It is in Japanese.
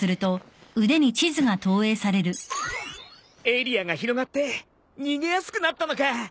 エリアが広がって逃げやすくなったのか！